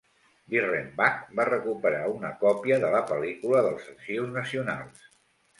Birrenbach va recuperar una còpia de la pel·lícula dels arxius nacionals.